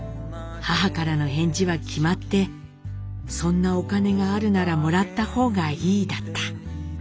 母からの返事は決まって『そんなお金があるならもらった方がいい』だった。